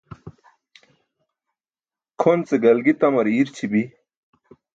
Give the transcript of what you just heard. Kʰon ce galgi tamar iirćibi̇.